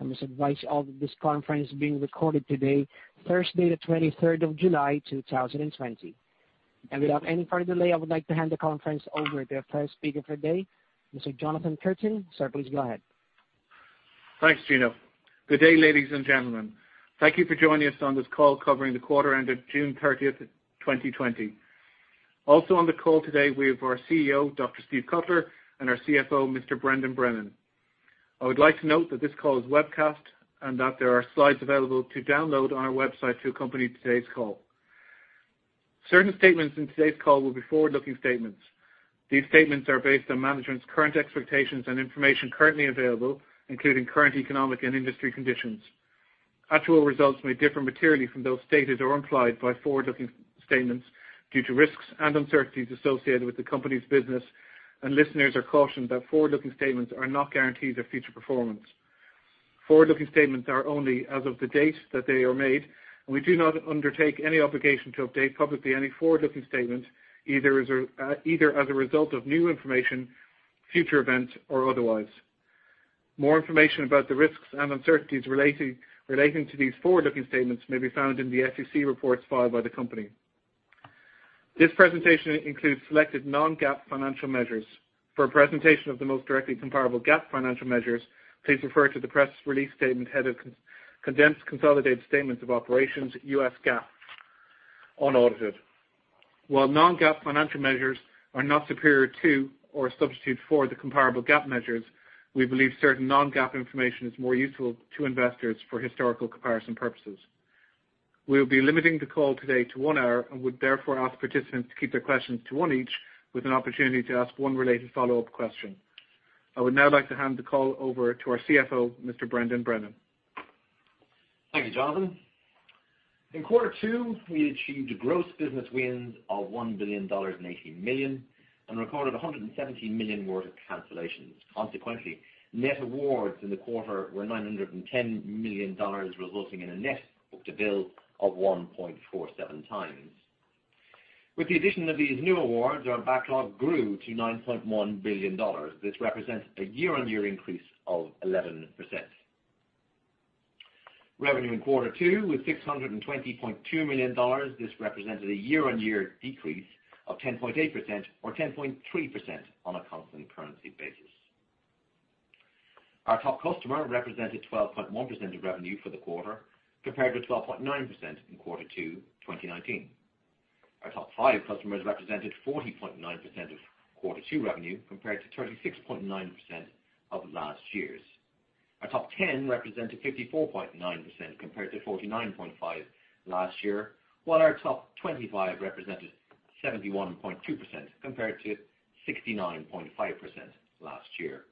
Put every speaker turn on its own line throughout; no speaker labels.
I must advise you all that this conference is being recorded today, Thursday the 23rd of July, 2020. Without any further delay, I would like to hand the conference over to our first speaker for today, Mr. Jonathan Curtain. Sir, please go ahead.
Thanks, Gino. Good day, ladies and gentlemen. Thank you for joining us on this call covering the quarter ended June 30th, 2020. Also on the call today, we have our CEO, Dr. Steve Cutler, and our CFO, Mr. Brendan Brennan. I would like to note that this call is webcast and that there are slides available to download on our website to accompany today's call. Certain statements in today's call will be forward-looking statements. These statements are based on management's current expectations and information currently available, including current economic and industry conditions. Actual results may differ materially from those stated or implied by forward-looking statements due to risks and uncertainties associated with the company's business and listeners are cautioned that forward-looking statements are not guarantees of future performance. Forward-looking statements are only as of the date that they are made, and we do not undertake any obligation to update publicly any forward-looking statement, either as a result of new information, future events, or otherwise. More information about the risks and uncertainties relating to these forward-looking statements may be found in the SEC reports filed by the company. This presentation includes selected non-GAAP financial measures. For a presentation of the most directly comparable GAAP financial measures, please refer to the press release statement headed Condensed Consolidated Statements of Operations, US GAAP, unaudited. While non-GAAP financial measures are not superior to or a substitute for the comparable GAAP measures, we believe certain non-GAAP information is more useful to investors for historical comparison purposes. We'll be limiting the call today to one hour and would therefore ask participants to keep their questions to one each, with an opportunity to ask one related follow-up question. I would now like to hand the call over to our CFO, Mr. Brendan Brennan.
Thank you, Jonathan. In quarter 2, we achieved gross business wins of $1,018 million and recorded $117 million worth of cancellations. Consequently, net awards in the quarter were $910 million, resulting in a net book-to-bill of 1.47x. With the addition of these new awards, our backlog grew to $9.1 billion. This represents a year-on-year increase of 11%. Revenue in quarter 2 was $620.2 million. This represented a year-on-year decrease of 10.8% or 10.3% on a constant currency basis. Our top customer represented 12.1% of revenue for the quarter, compared to 12.9% in quarter 2 2019. Our top five customers represented 40.9% of quarter 2 revenue, compared to 36.9% of last year's. Our top 10 represented 54.9% compared to 49.5% last year. While our top 25 represented 71.2% compared to 69.5% last year.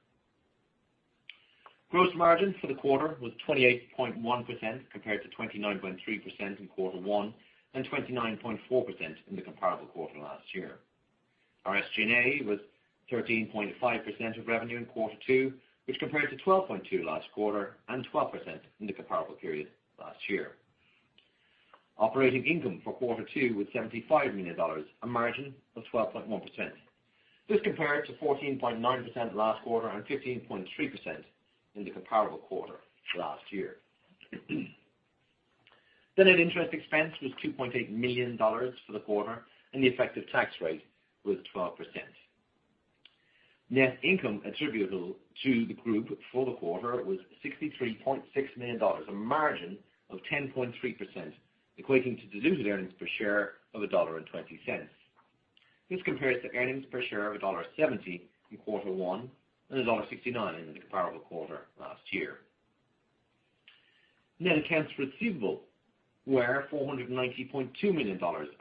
Gross margin for the quarter was 28.1% compared to 29.3% in quarter one and 29.4% in the comparable quarter last year. Our SG&A was 13.5% of revenue in quarter two, which compared to 12.2% last quarter and 12% in the comparable period last year. Operating income for quarter two was $75 million, a margin of 12.1%. This compared to 14.9% last quarter and 15.3% in the comparable quarter last year. Net interest expense was $2.8 million for the quarter, and the effective tax rate was 12%. Net income attributable to the group for the quarter was $63.6 million, a margin of 10.3%, equating to diluted earnings per share of $1.20. This compares to earnings per share of $1.70 in quarter one and $1.69 in the comparable quarter last year. Net accounts receivable were $490.2 million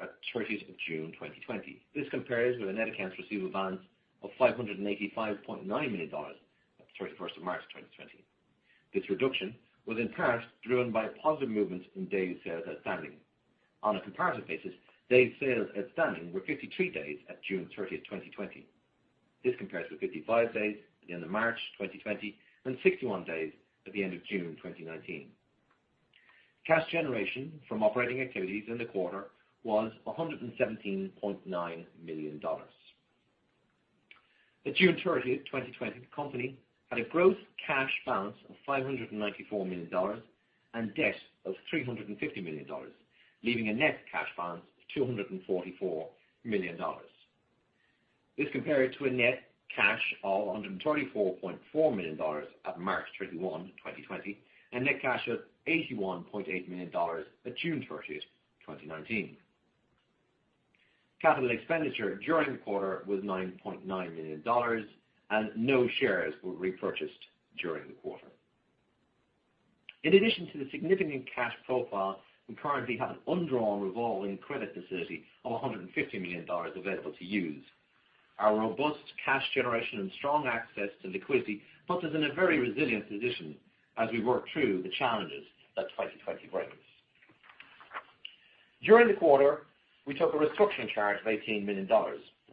at 30th of June 2020. This compares with a net accounts receivable balance of $585.9 million at March 31, 2020. This reduction was in part driven by positive movements in days sales outstanding. On a comparative basis, days sales outstanding were 53 days at June 30, 2020. This compares with 55 days at the end of March 2020 and 61 days at the end of June 2019. Cash generation from operating activities in the quarter was $117.9 million. At June 30, 2020, the company had a gross cash balance of $594 million and debt of $350 million, leaving a net cash balance of $244 million. This compared to a net cash of $134.4 million at March 31, 2020, and net cash of $81.8 million at June 30, 2019. Capital expenditure during the quarter was $9.9 million and no shares were repurchased during the quarter. In addition to the significant cash profile, we currently have an undrawn revolving credit facility of $150 million available to use. Our robust cash generation and strong access to liquidity puts us in a very resilient position as we work through the challenges that 2020 brings. During the quarter, we took a restructuring charge of $18 million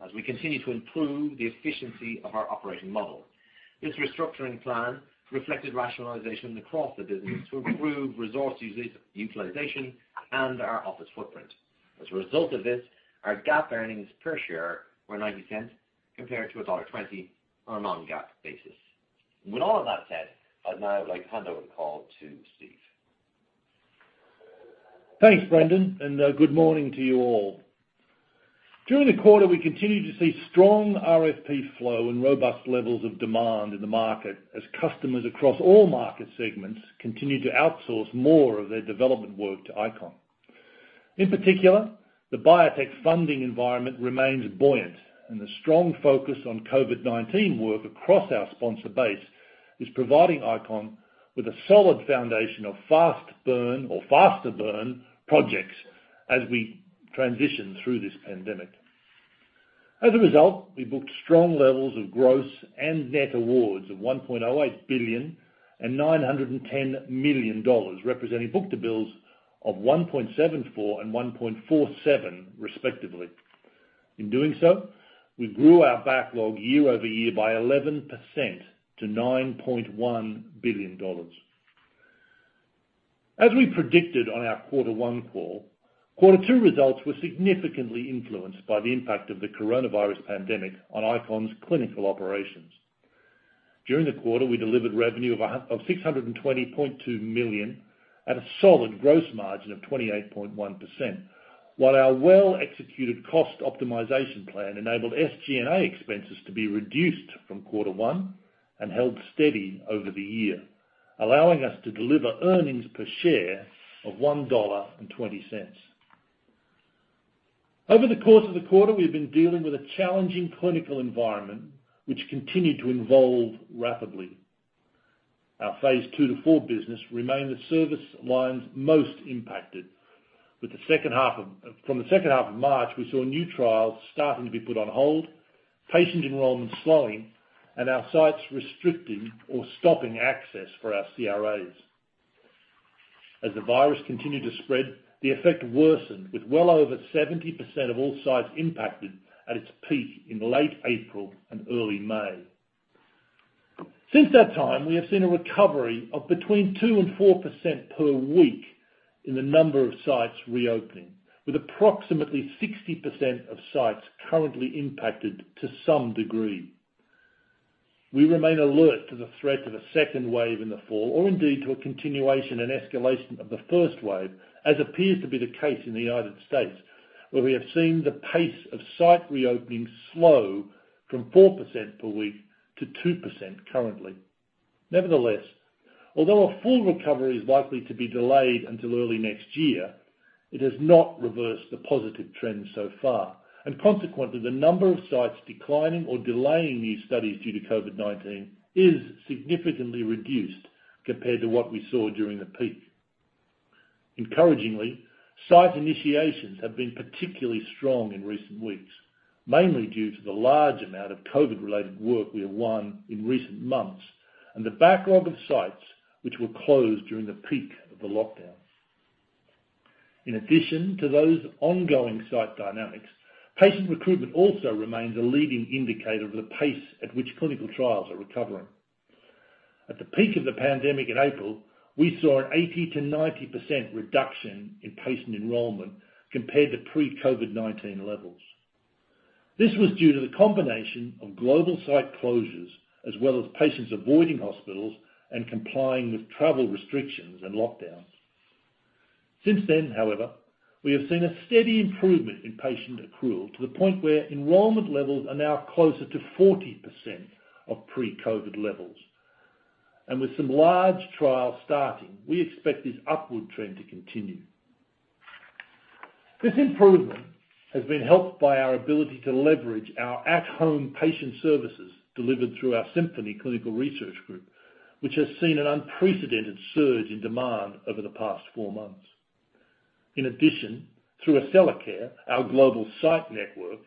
as we continue to improve the efficiency of our operating model. This restructuring plan reflected rationalization across the business to improve resource utilization and our office footprint. As a result of this, our GAAP earnings per share were $0.09 compared to $1.20 on a non-GAAP basis. With all of that said, I'd now like to hand over the call to Steve.
Thanks, Brendan, and good morning to you all. During the quarter, we continued to see strong RFP flow and robust levels of demand in the market as customers across all market segments continued to outsource more of their development work to ICON. In particular, the biotech funding environment remains buoyant, and the strong focus on COVID-19 work across our sponsor base is providing ICON with a solid foundation of fast burn or faster burn projects as we transition through this pandemic. As a result, we booked strong levels of gross and net awards of $1.08 billion and $910 million, representing book-to-bills of 1.74 and 1.47, respectively. In doing so, we grew our backlog year-over-year by 11% to $9.1 billion. As we predicted on our Quarter One call, Quarter Two results were significantly influenced by the impact of the coronavirus pandemic on ICON's clinical operations. During the quarter, we delivered revenue of $620.2 million at a solid gross margin of 28.1%, while our well-executed cost optimization plan enabled SG&A expenses to be reduced from Quarter 1 and held steady over the year, allowing us to deliver earnings per share of $1.20. Over the course of the quarter, we have been dealing with a challenging clinical environment, which continued to evolve rapidly. Our phase II to IV business remained the service lines most impacted. From the second half of March, we saw new trials starting to be put on hold, patient enrollment slowing, and our sites restricting or stopping access for our CRAs. As the virus continued to spread, the effect worsened with well over 70% of all sites impacted at its peak in late April and early May. Since that time, we have seen a recovery of between 2% and 4% per week in the number of sites reopening, with approximately 60% of sites currently impacted to some degree. We remain alert to the threat of a second wave in the fall or indeed to a continuation and escalation of the first wave, as appears to be the case in the United States, where we have seen the pace of site reopening slow from 4% per week to 2% currently. Nevertheless, although a full recovery is likely to be delayed until early next year, it has not reversed the positive trends so far, and consequently, the number of sites declining or delaying these studies due to COVID-19 is significantly reduced compared to what we saw during the peak. Encouragingly, site initiations have been particularly strong in recent weeks, mainly due to the large amount of COVID-related work we have won in recent months and the backlog of sites which were closed during the peak of the lockdown. In addition to those ongoing site dynamics, patient recruitment also remains a leading indicator of the pace at which clinical trials are recovering. At the peak of the pandemic in April, we saw an 80%-90% reduction in patient enrollment compared to pre-COVID-19 levels. This was due to the combination of global site closures as well as patients avoiding hospitals and complying with travel restrictions and lockdowns. Since then, however, we have seen a steady improvement in patient accrual to the point where enrollment levels are now closer to 40% of pre-COVID levels. With some large trials starting, we expect this upward trend to continue. This improvement has been helped by our ability to leverage our at-home patient services delivered through our Symphony Clinical Research Group, which has seen an unprecedented surge in demand over the past four months. In addition, through Accellacare, our global site network,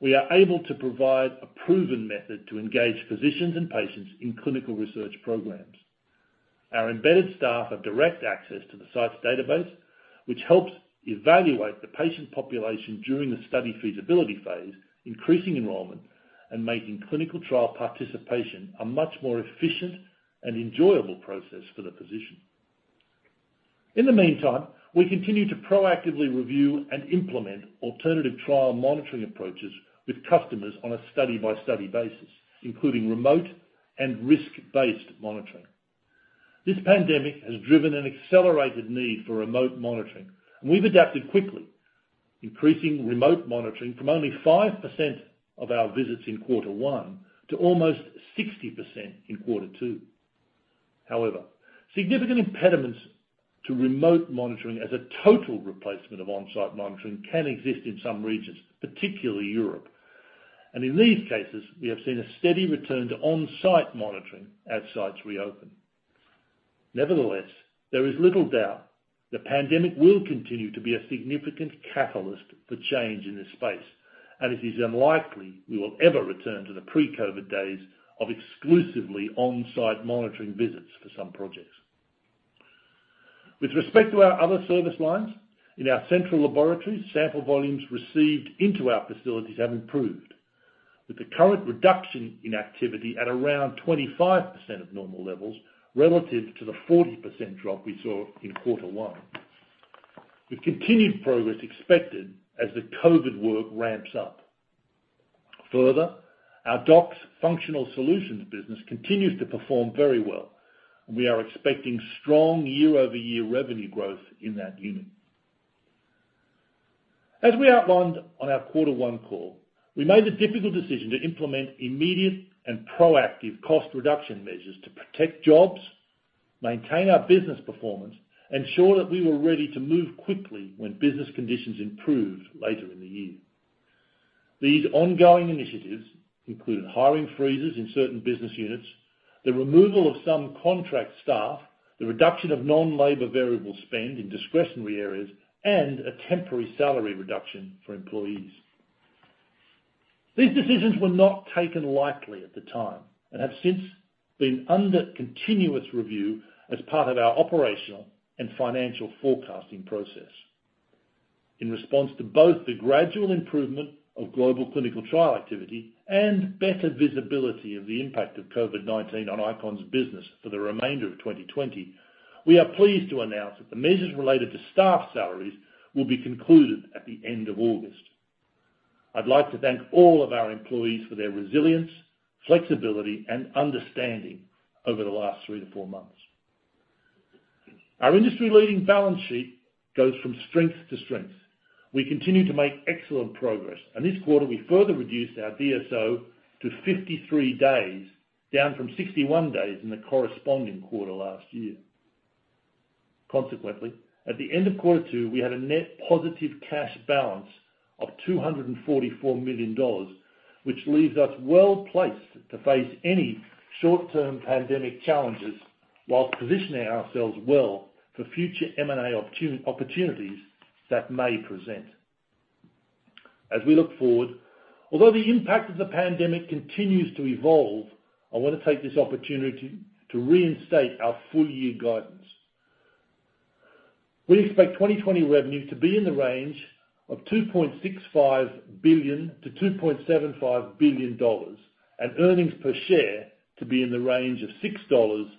we are able to provide a proven method to engage physicians and patients in clinical research programs. Our embedded staff have direct access to the site's database, which helps evaluate the patient population during the study feasibility phase, increasing enrollment and making clinical trial participation a much more efficient and enjoyable process for the physician. In the meantime, we continue to proactively review and implement alternative trial monitoring approaches with customers on a study-by-study basis, including remote and risk-based monitoring. This pandemic has driven an accelerated need for remote monitoring, and we've adapted quickly, increasing remote monitoring from only 5% of our visits in Quarter One to almost 60% in Quarter Two. However, significant impediments to remote monitoring as a total replacement of on-site monitoring can exist in some regions, particularly Europe. In these cases, we have seen a steady return to on-site monitoring as sites reopen. Nevertheless, there is little doubt the pandemic will continue to be a significant catalyst for change in this space, and it is unlikely we will ever return to the pre-COVID days of exclusively on-site monitoring visits for some projects. With respect to our other service lines, in our central laboratories, sample volumes received into our facilities have improved, with the current reduction in activity at around 25% of normal levels relative to the 40% drop we saw in Quarter One. With continued progress expected as the COVID work ramps up. Further, our DOCS functional solutions business continues to perform very well, and we are expecting strong year-over-year revenue growth in that unit. As we outlined on our Quarter One call, we made the difficult decision to implement immediate and proactive cost reduction measures to protect jobs, maintain our business performance, ensure that we were ready to move quickly when business conditions improved later in the year. These ongoing initiatives included hiring freezes in certain business units, the removal of some contract staff, the reduction of non-labor variable spend in discretionary areas, and a temporary salary reduction for employees. These decisions were not taken lightly at the time and have since been under continuous review as part of our operational and financial forecasting process. In response to both the gradual improvement of global clinical trial activity and better visibility of the impact of COVID-19 on ICON's business for the remainder of 2020, we are pleased to announce that the measures related to staff salaries will be concluded at the end of August. I'd like to thank all of our employees for their resilience, flexibility, and understanding over the last three to four months. Our industry-leading balance sheet goes from strength to strength. We continue to make excellent progress, and this quarter we further reduced our DSO to 53 days, down from 61 days in the corresponding quarter last year. Consequently, at the end of quarter two, we had a net positive cash balance of $244 million, which leaves us well-placed to face any short-term pandemic challenges whilst positioning ourselves well for future M&A opportunities that may present. As we look forward, although the impact of the pandemic continues to evolve, I want to take this opportunity to reinstate our full year guidance. We expect 2020 revenues to be in the range of $2.65 billion-$2.75 billion, and earnings per share to be in the range of $6-$6.50.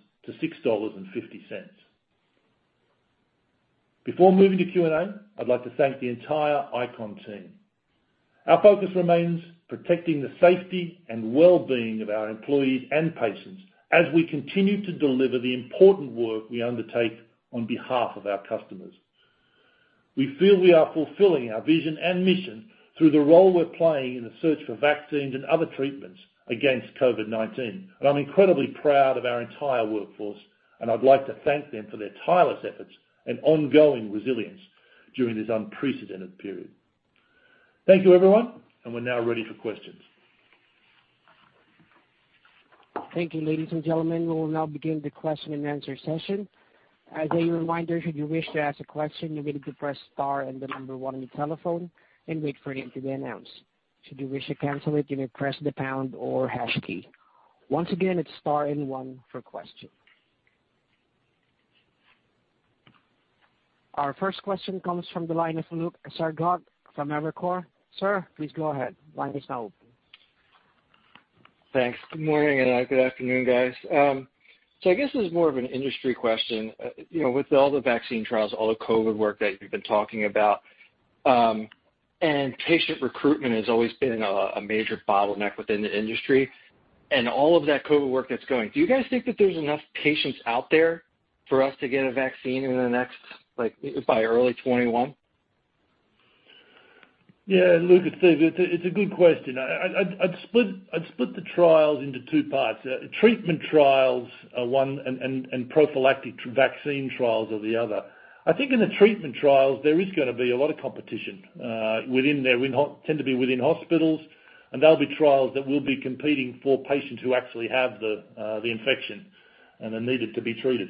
Before moving to Q&A, I'd like to thank the entire ICON team. Our focus remains protecting the safety and wellbeing of our employees and patients as we continue to deliver the important work we undertake on behalf of our customers. We feel we are fulfilling our vision and mission through the role we're playing in the search for vaccines and other treatments against COVID-19. I'm incredibly proud of our entire workforce. I'd like to thank them for their tireless efforts and ongoing resilience during this unprecedented period. Thank you, everyone. We're now ready for questions.
Thank you, ladies and gentlemen. We will now begin the question and answer session. As a reminder, should you wish to ask a question, you're going to press star and the number one on your telephone and wait for your name to be announced. Should you wish to cancel it, you may press the pound or hash key. Once again, it's star and one for question. Our first question comes from the line of Luke Sergott from Evercore. Sir, please go ahead. Line is now open.
Thanks. Good morning, and good afternoon, guys. I guess this is more of an industry question. With all the vaccine trials, all the COVID-19 work that you've been talking about, and patient recruitment has always been a major bottleneck within the industry. All of that COVID-19 work that's going, do you guys think that there's enough patients out there for us to get a vaccine in the next, like, by early 2021?
Yeah, Luke, it's a good question. I'd split the trials into two parts. Treatment trials are one and prophylactic vaccine trials are the other. I think in the treatment trials, there is going to be a lot of competition within there. We tend to be within hospitals, and there'll be trials that will be competing for patients who actually have the infection and are needed to be treated.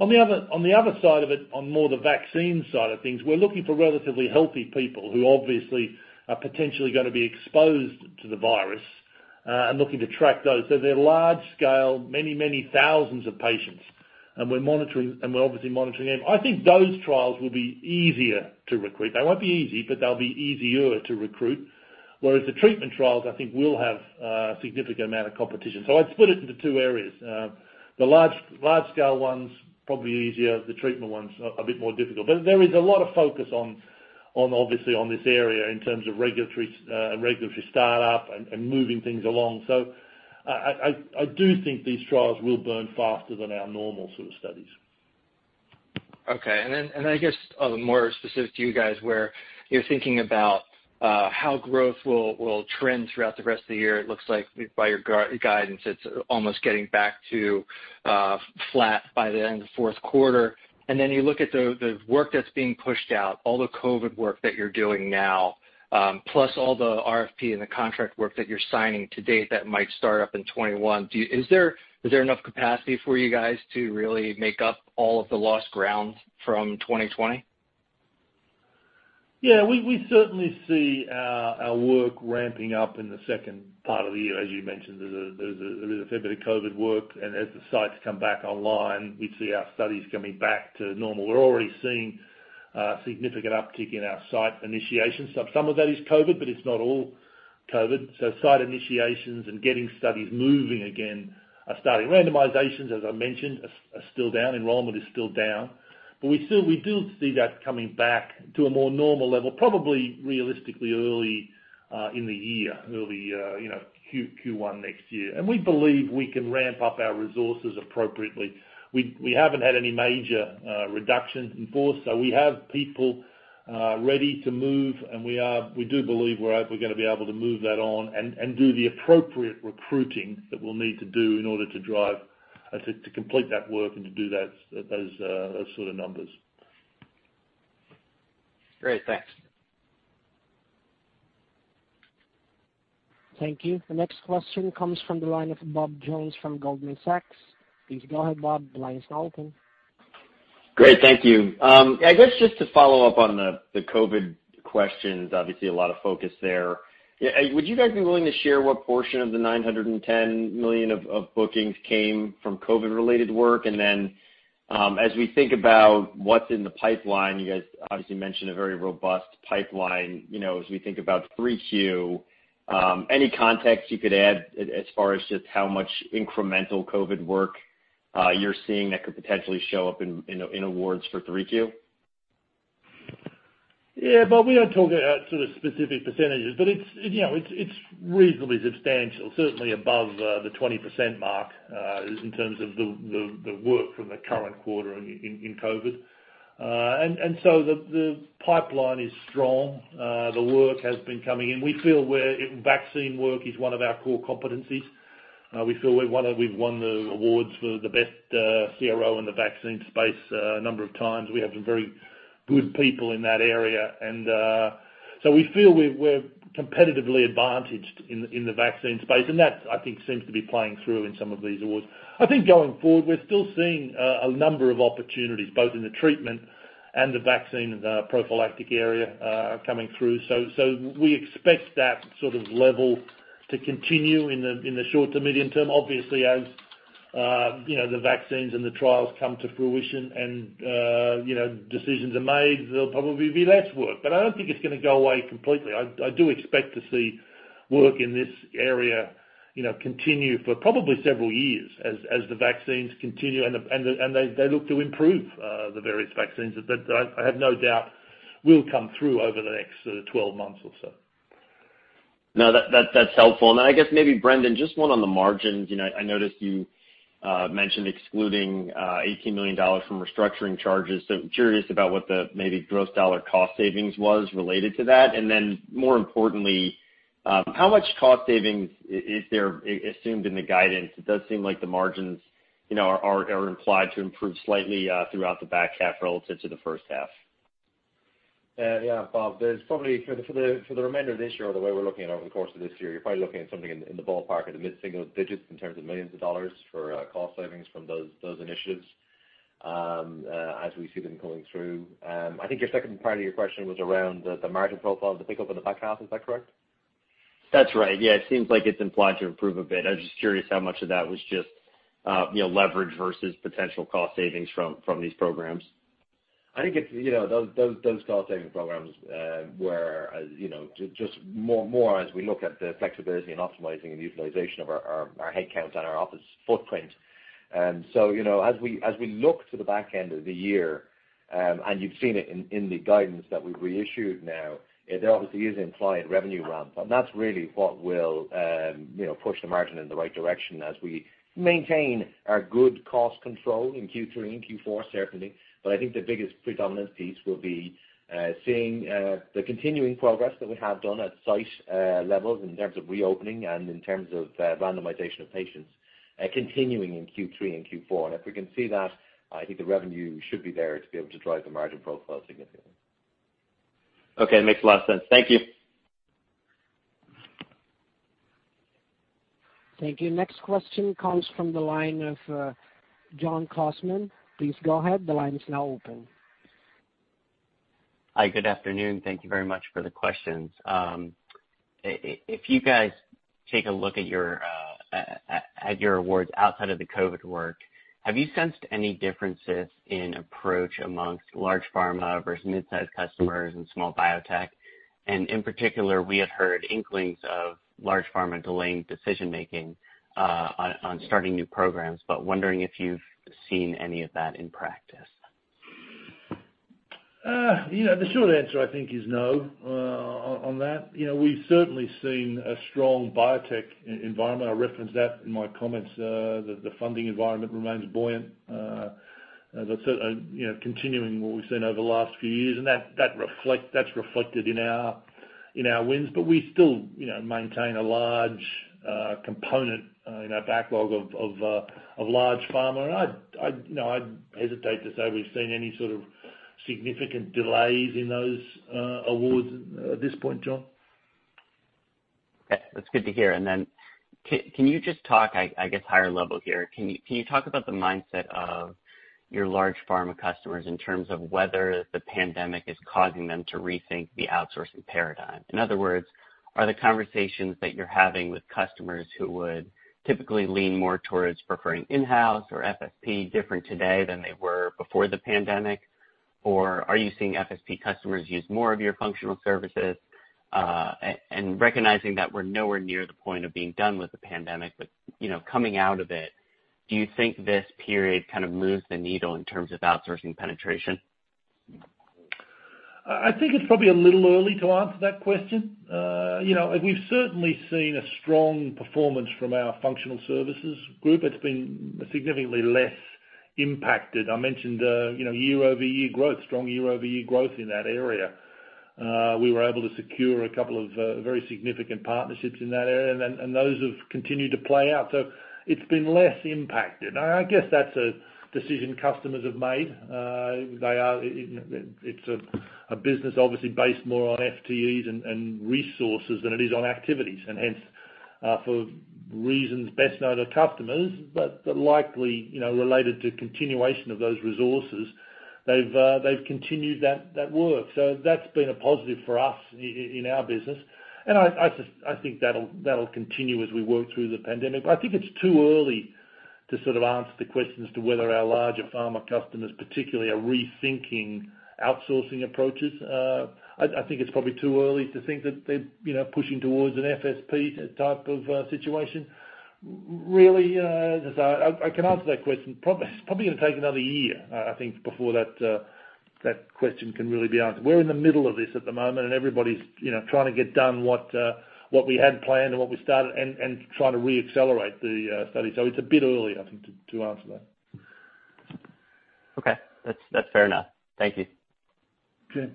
On the other side of it, on more the vaccine side of things, we're looking for relatively healthy people who obviously are potentially going to be exposed to the virus, and looking to track those. They're large scale, many thousands of patients. We're obviously monitoring them. I think those trials will be easier to recruit. They won't be easy, but they'll be easier to recruit. Whereas the treatment trials, I think, will have a significant amount of competition. I'd split it into two areas. The large scale ones, probably easier, the treatment ones are a bit more difficult. There is a lot of focus obviously on this area in terms of regulatory startup and moving things along. I do think these trials will burn faster than our normal sort of studies.
Okay. I guess more specific to you guys, where you're thinking about how growth will trend throughout the rest of the year. It looks like by your guidance, it's almost getting back to flat by the end of the fourth quarter. Then you look at the work that's being pushed out, all the COVID work that you're doing now, plus all the RFP and the contract work that you're signing to date that might start up in 2021. Is there enough capacity for you guys to really make up all of the lost ground from 2020?
Yeah, we certainly see our work ramping up in the second part of the year. As you mentioned, there's a fair bit of COVID work, and as the sites come back online, we see our studies coming back to normal. We're already seeing a significant uptick in our site initiation stuff. Some of that is COVID, but it's not all COVID. Site initiations and getting studies moving again are starting randomizations, as I mentioned still down, enrollment is still down. We do see that coming back to a more normal level, probably realistically early in the year, early Q1 next year. We believe we can ramp up our resources appropriately. We haven't had any major reductions in force, so we have people ready to move, and we do believe we're going to be able to move that on and do the appropriate recruiting that we'll need to do in order to drive, as I said, to complete that work and to do those sort of numbers.
Great. Thanks.
Thank you. The next question comes from the line of Bob Jones from Goldman Sachs. Please go ahead, Bob. The line is now open.
Great. Thank you. I guess, just to follow up on the COVID questions, obviously a lot of focus there. Would you guys be willing to share what portion of the $910 million of bookings came from COVID-related work? As we think about what's in the pipeline, you guys obviously mentioned a very robust pipeline, as we think about 3Q, any context you could add as far as just how much incremental COVID work you're seeing that could potentially show up in awards for 3Q?
Yeah, Bob, we don't talk about sort of specific percentages. It's reasonably substantial, certainly above the 20% mark, in terms of the work from the current quarter in COVID. The pipeline is strong. The work has been coming in. We feel vaccine work is one of our core competencies. We feel we've won the awards for the best CRO in the vaccine space a number of times. We have some very good people in that area. We feel we're competitively advantaged in the vaccine space, and that, I think, seems to be playing through in some of these awards. I think going forward, we're still seeing a number of opportunities, both in the treatment and the vaccine and the prophylactic area coming through. We expect that sort of level to continue in the short to medium term. Obviously, as the vaccines and the trials come to fruition and decisions are made, there'll probably be less work. I don't think it's going to go away completely. I do expect to see work in this area continue for probably several years as the vaccines continue and they look to improve the various vaccines. I have no doubt we'll come through over the next 12 months or so.
No, that's helpful. I guess maybe Brendan, just one on the margins. I noticed you mentioned excluding $18 million from restructuring charges. Curious about what the maybe gross dollar cost savings was related to that. More importantly, how much cost savings is there assumed in the guidance? It does seem like the margins are implied to improve slightly throughout the back half relative to the first half.
Yeah. Bob, there's probably for the remainder of this year or the way we're looking at over the course of this year, you're probably looking at something in the ballpark of the mid-single digits in terms of millions of dollars for cost savings from those initiatives as we see them coming through. I think your second part of your question was around the margin profile of the pickup in the back half, is that correct?
That's right. Yeah, it seems like it's implied to improve a bit. I was just curious how much of that was just leverage versus potential cost savings from these programs.
I think those cost-saving programs were just more as we look at the flexibility in optimizing and utilization of our headcounts and our office footprint. As we look to the back end of the year, and you've seen it in the guidance that we've reissued now, there obviously is implied revenue ramp. That's really what will push the margin in the right direction as we maintain our good cost control in Q3 and Q4, certainly. I think the biggest predominant piece will be seeing the continuing progress that we have done at site levels in terms of reopening and in terms of randomization of patients continuing in Q3 and Q4. If we can see that, I think the revenue should be there to be able to drive the margin profile significantly.
Okay. Makes a lot of sense. Thank you.
Thank you. Next question comes from the line of John Kostman. Please go ahead. The line is now open.
Hi, good afternoon. Thank you very much for the questions. If you guys take a look at your awards outside of the COVID-19 work, have you sensed any differences in approach amongst large pharma versus mid-size customers and small biotech? In particular, we have heard inklings of large pharma delaying decision-making on starting new programs, but wondering if you've seen any of that in practice.
The short answer, I think is no on that. We've certainly seen a strong biotech environment. I referenced that in my comments. The funding environment remains buoyant. As I said, continuing what we've seen over the last few years, and that's reflected in our wins. We still maintain a large component in our backlog of large pharma. I'd hesitate to say we've seen any sort of significant delays in those awards at this point, John.
Okay. That's good to hear. Then can you just talk, I guess, higher level here. Can you talk about the mindset of your large pharma customers in terms of whether the pandemic is causing them to rethink the outsourcing paradigm? In other words, are the conversations that you're having with customers who would typically lean more towards preferring in-house or FSP different today than they were before the pandemic? Are you seeing FSP customers use more of your functional services? Recognizing that we're nowhere near the point of being done with the pandemic, but coming out of it, do you think this period kind of moves the needle in terms of outsourcing penetration?
I think it's probably a little early to answer that question. We've certainly seen a strong performance from our functional services group. It's been significantly less impacted. I mentioned year-over-year growth, strong year-over-year growth in that area. We were able to secure a couple of very significant partnerships in that area, and those have continued to play out. It's been less impacted, and I guess that's a decision customers have made. It's a business obviously based more on FTEs and resources than it is on activities, and hence, for reasons best known to customers, but likely related to continuation of those resources, they've continued that work. That's been a positive for us in our business. I think that'll continue as we work through the pandemic. I think it's too early to sort of answer the question as to whether our larger pharma customers particularly are rethinking outsourcing approaches. I think it's probably too early to think that they're pushing towards an FSP type of situation, really. As I say, I can answer that question, probably going to take another year, I think, before that question can really be answered. We're in the middle of this at the moment, and everybody's trying to get done what we had planned and what we started and trying to re-accelerate the study. It's a bit early, I think, to answer that.
Okay. That's fair enough. Thank you.
Okay.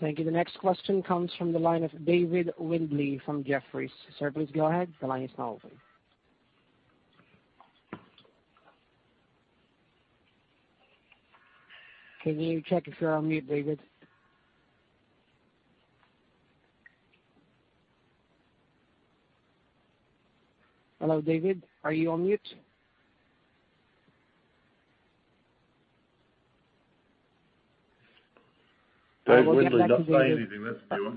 Thank you. The next question comes from the line of David Windley from Jefferies. Sir, please go ahead. The line is now open. Can you check if you're on mute, David? Hello, David, are you on mute?
David Windley's not saying anything. That's a new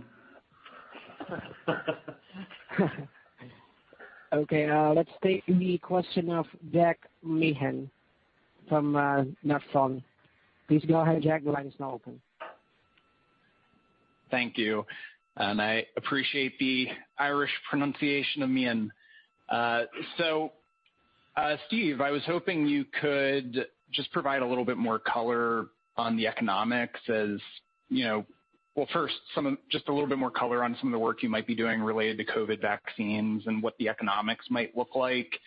one.
Okay, let's take the question of Jack Meehan from Nephron. Please go ahead, Jack. The line is now open.
Thank you, and I appreciate the Irish pronunciation of Meehan. Steve, I was hoping you could just provide a little bit more color on the economics first, just a little bit more color on some of the work you might be doing related to COVID vaccines and what the economics might look like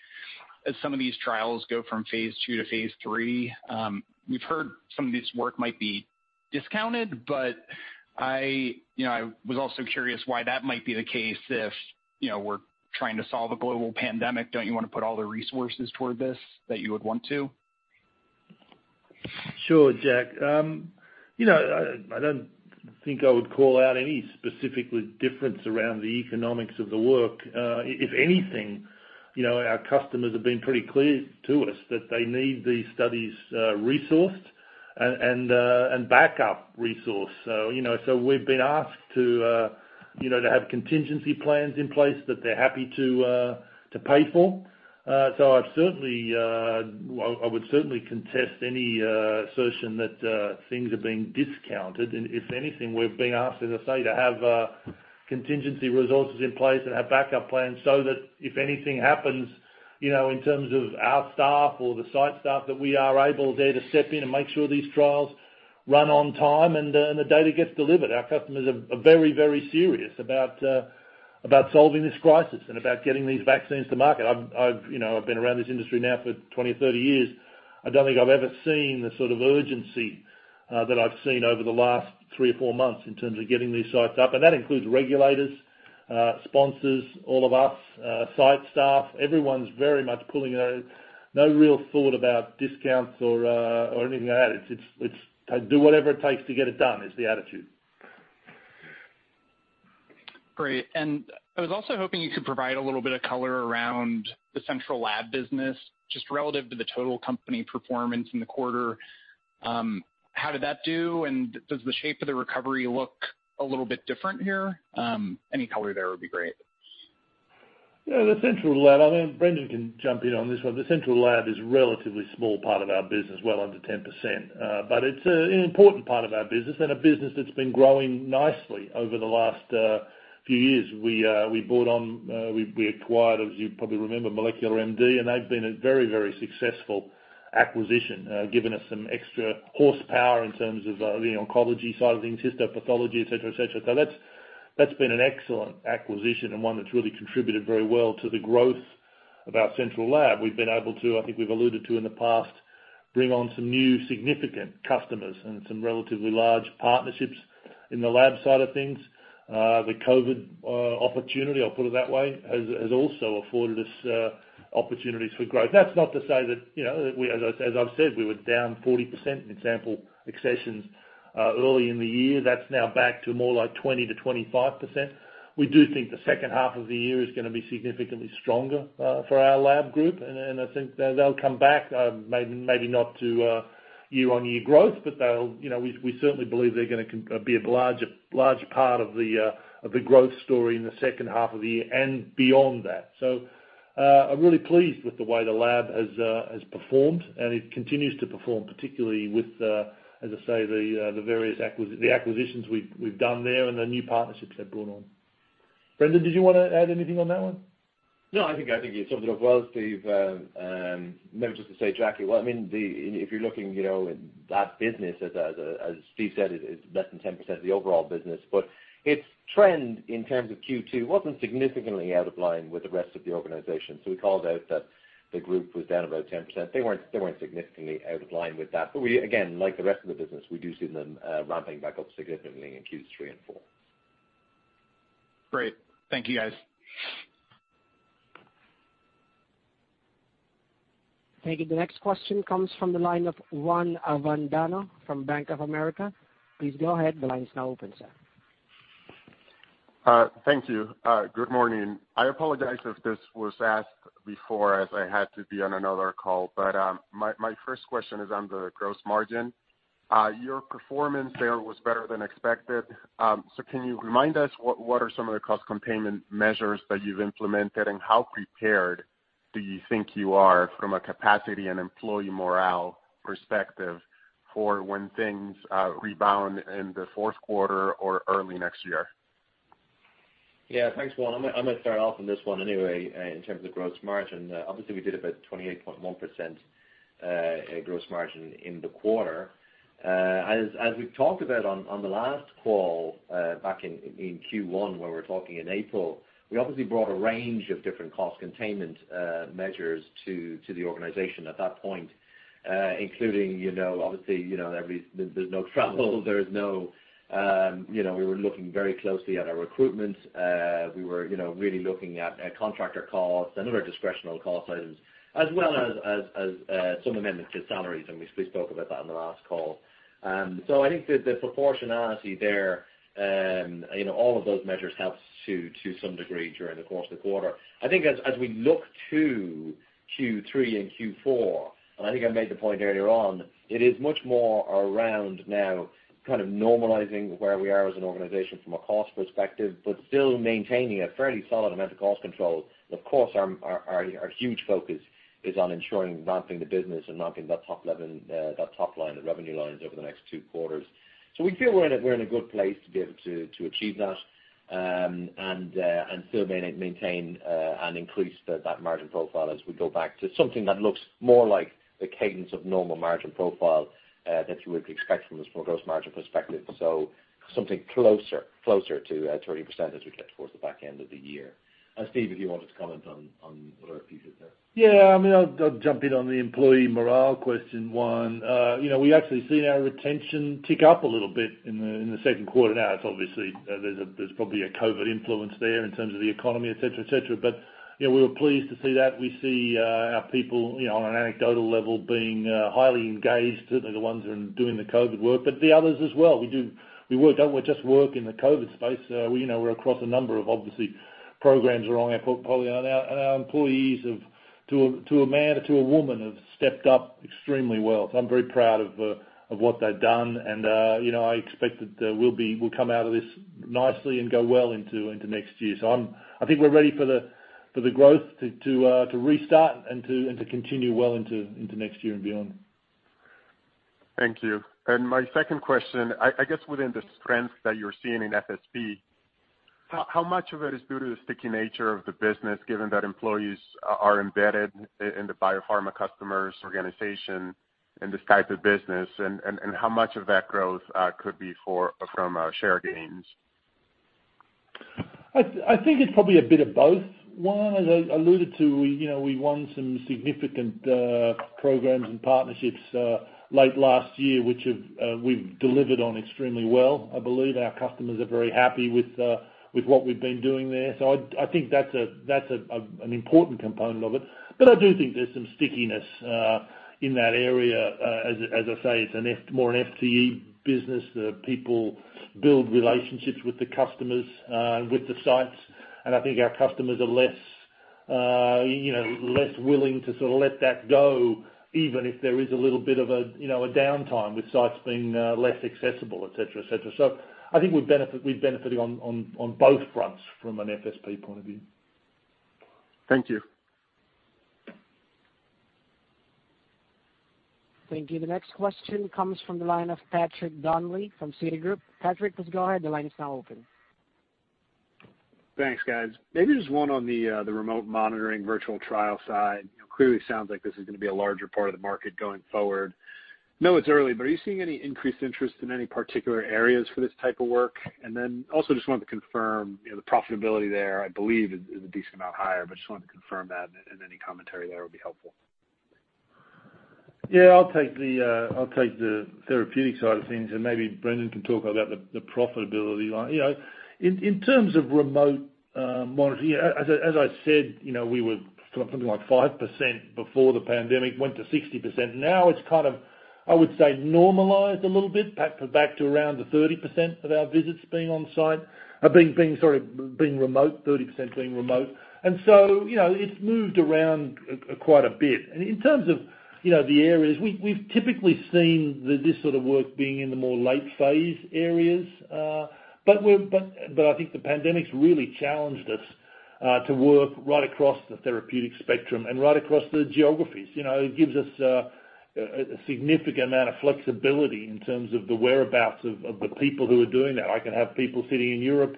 as some of these trials go from phase II to phase III. We've heard some of this work might be discounted, but I was also curious why that might be the case if we're trying to solve a global pandemic. Don't you want to put all the resources toward this that you would want to?
Sure, Jack. I don't think I would call out any specific difference around the economics of the work. If anything, our customers have been pretty clear to us that they need these studies resourced and backup resourced. We've been asked to have contingency plans in place that they're happy to pay for. I would certainly contest any assertion that things are being discounted. If anything, we've been asked, as I say, to have contingency resources in place and have backup plans so that if anything happens in terms of our staff or the site staff, that we are able there to step in and make sure these trials run on time and the data gets delivered. Our customers are very serious about solving this crisis and about getting these vaccines to market. I've been around this industry now for 20 or 30 years. I don't think I've ever seen the sort of urgency that I've seen over the last three or four months in terms of getting these sites up. That includes regulators, sponsors, all of us, site staff. Everyone's very much pulling. No real thought about discounts or anything like that. It's do whatever it takes to get it done is the attitude.
Great, I was also hoping you could provide a little bit of color around the central lab business, just relative to the total company performance in the quarter. How did that do, and does the shape of the recovery look a little bit different here? Any color there would be great.
Yeah. The central lab, and Brendan can jump in on this one. The central lab is a relatively small part of our business, well under 10%, but it's an important part of our business and a business that's been growing nicely over the last few years. We acquired, as you probably remember, MolecularMD, and they've been a very successful acquisition. Given us some extra horsepower in terms of the oncology side of things, histopathology, et cetera. That's been an excellent acquisition and one that's really contributed very well to the growth of our central lab. We've been able to, I think we've alluded to in the past, bring on some new significant customers and some relatively large partnerships in the lab side of things. The COVID opportunity, I'll put it that way, has also afforded us opportunities for growth. That's not to say that, as I've said, we were down 40% in sample accessions early in the year. That's now back to more like 20%-25%. We do think the second half of the year is going to be significantly stronger for our lab group, and I think they'll come back, maybe not to year-on-year growth. We certainly believe they're going to be a large part of the growth story in the second half of the year and beyond that. I'm really pleased with the way the lab has performed, and it continues to perform, particularly with, as I say, the acquisitions we've done there and the new partnerships they've brought on. Brendan, did you want to add anything on that one?
I think you summed it up well, Steve. Maybe just to say, Jack, what I mean, if you're looking at that business, as Steve said, it's less than 10% of the overall business. Its trend in terms of Q2 wasn't significantly out of line with the rest of the organization. We called out that the group was down about 10%. They weren't significantly out of line with that. We again, like the rest of the business, we do see them ramping back up significantly in Q3 and four.
Great. Thank you, guys.
Thank you. The next question comes from the line of Juan Avendano from Bank of America. Please go ahead. The line is now open, sir.
Thank you. Good morning. I apologize if this was asked before, as I had to be on another call, but my first question is on the gross margin. Your performance there was better than expected. Can you remind us what are some of the cost containment measures that you've implemented, and how prepared do you think you are from a capacity and employee morale perspective for when things rebound in the fourth quarter or early next year?
Yeah. Thanks, Juan. I'm going to start off on this one anyway, in terms of gross margin. Obviously, we did about 28.1% gross margin in the quarter. As we've talked about on the last call, back in Q1, where we're talking in April, we obviously brought a range of different cost containment measures to the organization at that point, including obviously, there's no travel. We were looking very closely at our recruitment. We were really looking at contractor costs and other discretional cost items, as well as some amendments to salaries, and we spoke about that on the last call. I think the proportionality there, all of those measures helped to some degree during the course of the quarter. I think as we look to Q3 and Q4, I think I made the point earlier on, it is much more around now kind of normalizing where we are as an organization from a cost perspective, but still maintaining a fairly solid amount of cost control. Of course, our huge focus is on ensuring ramping the business and ramping that top line, the revenue lines over the next two quarters. We feel we're in a good place to be able to achieve that, and still maintain and increase that margin profile as we go back to something that looks more like the cadence of normal margin profile that you would expect from us from a gross margin perspective. Something closer to 30% as we get towards the back end of the year. Steve, if you wanted to comment on the other pieces there.
Yeah. I'll jump in on the employee morale question, Juan. We actually seen our retention tick up a little bit in the second quarter. It's obviously, there's probably a COVID influence there in terms of the economy, et cetera. We were pleased to see that. We see our people, on an anecdotal level, being highly engaged, certainly the ones who are doing the COVID work, but the others as well. We don't just work in the COVID space. We're across a number of obviously programs around our portfolio. Our employees have, to a man or to a woman, stepped up extremely well. I'm very proud of what they've done, and I expect that we'll come out of this nicely and go well into next year. I think we're ready for the growth to restart and to continue well into next year and beyond.
Thank you. My second question, I guess, within the strength that you're seeing in FSP, how much of it is due to the sticky nature of the business, given that employees are embedded in the biopharma customer's organization and this type of business, and how much of that growth could be from share gains?
I think it's probably a bit of both. One, as I alluded to, we won some significant programs and partnerships late last year, which we've delivered on extremely well. I believe our customers are very happy with what we've been doing there. I think that's an important component of it. I do think there's some stickiness in that area. As I say, it's more an FTE business. The people build relationships with the customers, with the sites, and I think our customers are less willing to sort of let that go, even if there is a little bit of a downtime with sites being less accessible, et cetera. I think we're benefiting on both fronts from an FSP point of view.
Thank you.
Thank you. The next question comes from the line of Patrick Donnelly from Citigroup. Patrick, please go ahead. The line is now open.
Thanks, guys. Maybe just one on the remote monitoring virtual trial side. Clearly sounds like this is going to be a larger part of the market going forward. Know it's early, but are you seeing any increased interest in any particular areas for this type of work? Also just wanted to confirm the profitability there, I believe is a decent amount higher, but just wanted to confirm that and any commentary there would be helpful.
Yeah. I'll take the therapeutic side of things, and maybe Brendan can talk about the profitability line. In terms of remote monitoring, as I said, we were something like 5% before the pandemic, went to 60%. Now it's kind of, I would say, normalized a little bit. Back to around the 30% of our visits being on-site. Sorry, being remote, 30% being remote. It's moved around quite a bit. In terms of the areas, we've typically seen this sort of work being in the more late-phase areas. I think the pandemic's really challenged us to work right across the therapeutic spectrum and right across the geographies. It gives us a significant amount of flexibility in terms of the whereabouts of the people who are doing that. I can have people sitting in Europe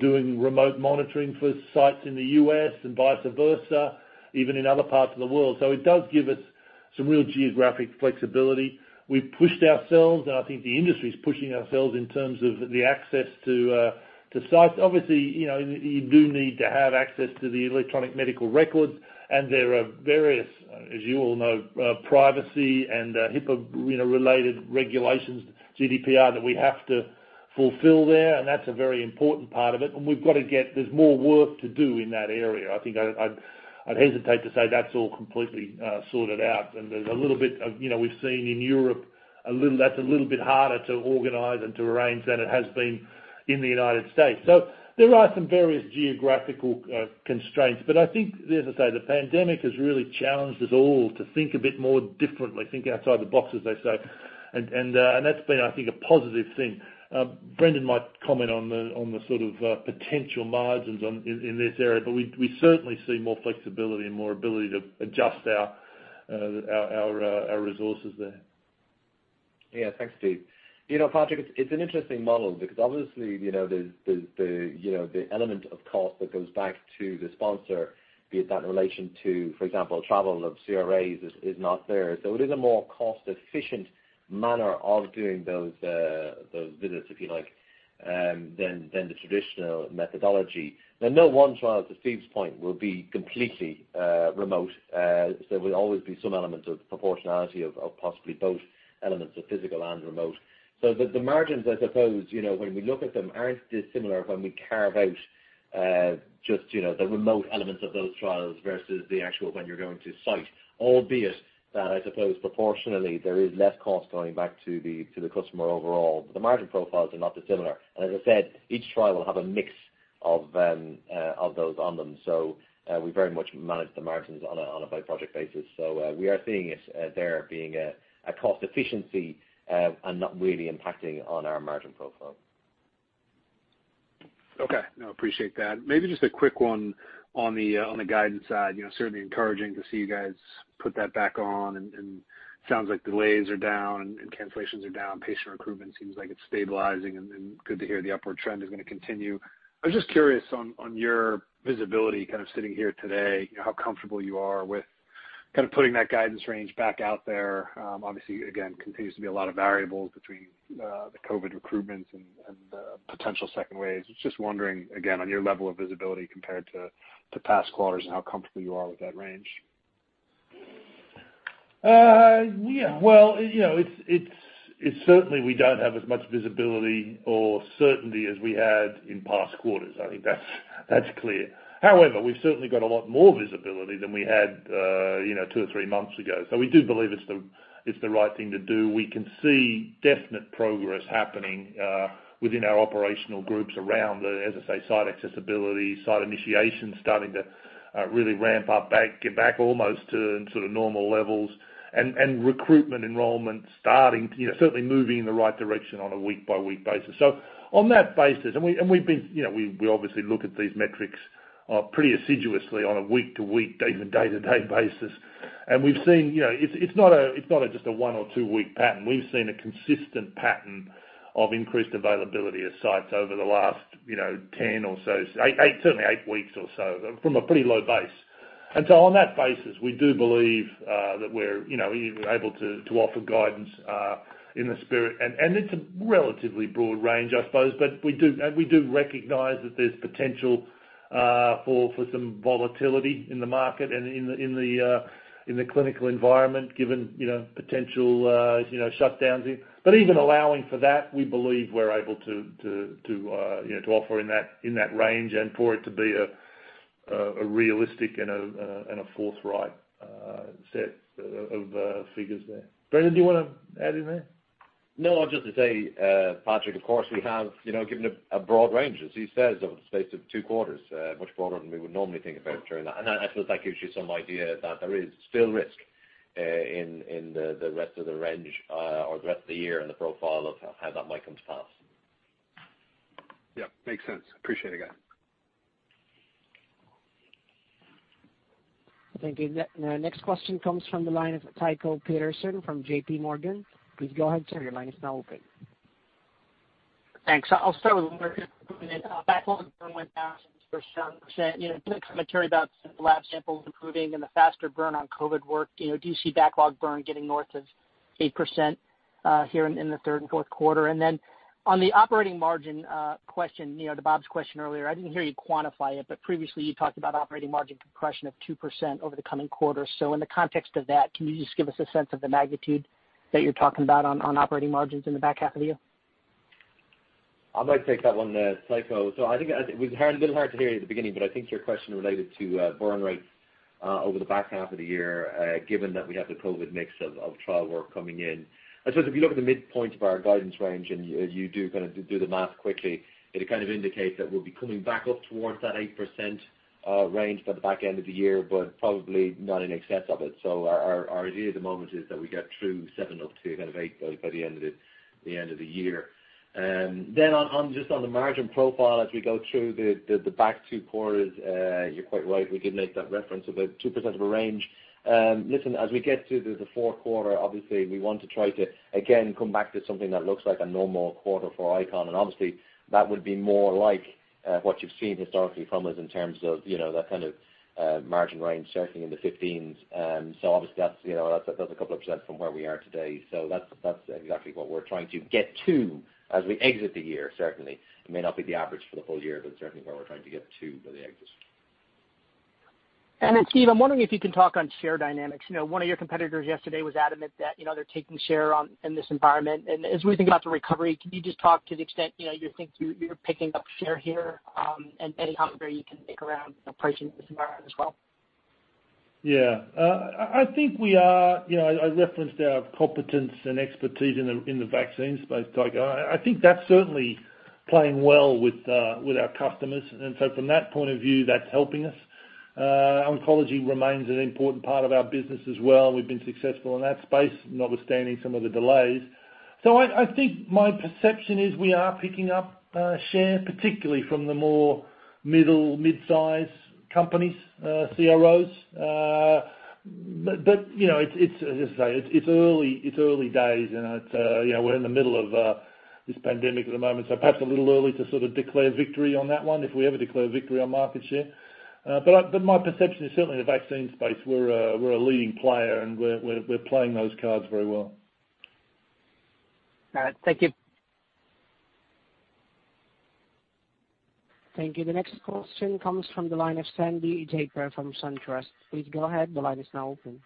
doing remote monitoring for sites in the U.S. and vice versa, even in other parts of the world. It does give us some real geographic flexibility. We've pushed ourselves, and I think the industry's pushing ourselves in terms of the access to sites. Obviously, you do need to have access to the electronic medical records, and there are various, as you all know, privacy and HIPAA-related regulations, GDPR, that we have to fulfill there. That's a very important part of it. There's more work to do in that area. I think I'd hesitate to say that's all completely sorted out. There's a little bit of, we've seen in Europe, that's a little bit harder to organize and to arrange than it has been in the United States. There are some various geographical constraints, but I think, as I say, the pandemic has really challenged us all to think a bit more differently, think outside the box, as they say. That's been, I think, a positive thing. Brendan might comment on the sort of potential margins in this area, but we certainly see more flexibility and more ability to adjust our resources there.
Thanks, Steve. Patrick, it's an interesting model because obviously, the element of cost that goes back to the sponsor, be it that in relation to, for example, travel of CRAs is not there. It is a more cost-efficient manner of doing those visits, if you like, than the traditional methodology. No one trial, to Steve's point, will be completely remote. There will always be some element of proportionality of possibly both elements of physical and remote. The margins, I suppose, when we look at them, aren't dissimilar when we carve out just the remote elements of those trials versus the actual when you're going to site. Albeit that I suppose proportionally, there is less cost going back to the customer overall. The margin profiles are not dissimilar. As I said, each trial will have a mix of those on them. We very much manage the margins on a by project basis. We are seeing it there being a cost efficiency, and not really impacting on our margin profile.
Okay. No, appreciate that. Maybe just a quick one on the guidance side. Certainly encouraging to see you guys put that back on, and sounds like delays are down and cancellations are down. Patient recruitment seems like it's stabilizing, and good to hear the upward trend is going to continue. I was just curious on your visibility, kind of sitting here today, how comfortable you are with putting that guidance range back out there. Obviously, again, continues to be a lot of variables between the COVID recruitments and the potential second waves. I was just wondering, again, on your level of visibility compared to past quarters and how comfortable you are with that range.
Well, certainly we don't have as much visibility or certainty as we had in past quarters. I think that's clear. However, we've certainly got a lot more visibility than we had two or three months ago. We do believe it's the right thing to do. We can see definite progress happening within our operational groups around the, as I say, site accessibility, site initiation starting to really ramp up back, get back almost to normal levels. Recruitment enrollment starting to certainly moving in the right direction on a week-by-week basis. On that basis, and we obviously look at these metrics pretty assiduously on a week-to-week, even day-to-day basis. It's not just a one or two-week pattern. We've seen a consistent pattern of increased availability of sites over the last 10 or so, certainly eight weeks or so, from a pretty low base. On that basis, we do believe that we're able to offer guidance in the spirit. It's a relatively broad range, I suppose, but we do recognize that there's potential for some volatility in the market and in the clinical environment, given potential shutdowns. Even allowing for that, we believe we're able to offer in that range and for it to be a realistic and a forthright set of figures there. Brendan, do you want to add in there?
No, just to say, Patrick, of course, we have given a broad range, as he says, over the space of two quarters, much broader than we would normally think about during that. I suppose that gives you some idea that there is still risk in the rest of the range or the rest of the year and the profile of how that might come to pass.
Yeah. Makes sense. Appreciate it, guys.
Thank you. The next question comes from the line of Tycho Peterson from JPMorgan. Please go ahead, sir. Your line is now open.
Thanks. I'll start with backlog burn went down to 7%. Commentary about lab samples improving and the faster burn on COVID work. Do you see backlog burn getting north of 8% here in the third and fourth quarter? Then on the operating margin question, to Bob's question earlier, I didn't hear you quantify it, but previously you talked about operating margin compression of 2% over the coming quarters. In the context of that, can you just give us a sense of the magnitude that you're talking about on operating margins in the back half of the year?
I might take that one, Tycho. I think it was a little hard to hear you at the beginning, but I think your question related to burn rates over the back half of the year, given that we have the COVID mix of trial work coming in. I suppose if you look at the midpoint of our guidance range, and you do the math quickly, it indicates that we'll be coming back up towards that 8% range by the back end of the year, but probably not in excess of it. Our idea at the moment is that we get through seven up to eight by the end of the year. Just on the margin profile as we go through the back two quarters, you're quite right, we did make that reference of a 2% range. Listen, as we get to the fourth quarter, obviously we want to try to, again, come back to something that looks like a normal quarter for ICON. Obviously that would be more like what you've seen historically from us in terms of that kind of margin range, certainly in the 15s. Obviously that's a couple of percent from where we are today. That's exactly what we're trying to get to as we exit the year, certainly. It may not be the average for the full year, but it's certainly where we're trying to get to for the exit.
Steve, I'm wondering if you can talk on share dynamics? One of your competitors yesterday was adamant that they're taking share in this environment. As we think about the recovery, can you just talk to the extent you think you're picking up share here, and any commentary you can make around approaching this environment as well?
Yeah. I referenced our competence and expertise in the vaccines space, Tycho. I think that's certainly playing well with our customers. From that point of view, that's helping us. Oncology remains an important part of our business as well. We've been successful in that space, notwithstanding some of the delays. I think my perception is we are picking up shares, particularly from the more midsize companies, CROs. As I say, it's early days, and we're in the middle of this pandemic at the moment, so perhaps a little early to declare victory on that one if we ever declare victory on market share. My perception is certainly in the vaccine space, we're a leading player, and we're playing those cards very well.
All right. Thank you.
Thank you. The next question comes from the line of Sandy Draper from SunTrust. Please go ahead. The line is now open.